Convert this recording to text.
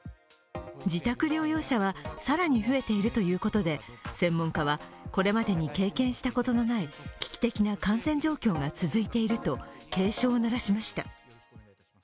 自宅療養者は更に増えているということで専門家は、これまでに経験したことのない危機的な感染状況が続いていると警鐘を鳴らしました。